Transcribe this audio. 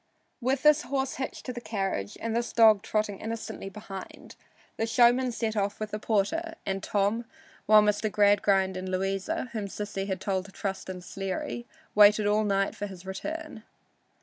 With this horse hitched to the carriage and this dog trotting innocently behind, the showman set off with the porter and Tom, while Mr. Gradgrind and Louisa, whom Sissy had told to trust in Sleary, waited all night for his return.